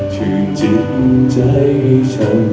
ชื่นจิ้นใจฉันสวย